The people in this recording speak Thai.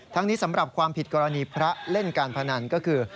นี้สำหรับความผิดกรณีพระเล่นการพนันก็คือ